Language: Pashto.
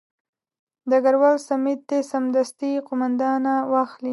ډګروال سمیت دې سمدستي قومانده واخلي.